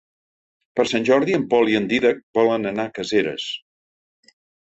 Per Sant Jordi en Pol i en Dídac volen anar a Caseres.